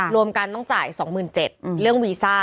รวมกันต้องจ่าย๒๗๐๐เรื่องวีซ่า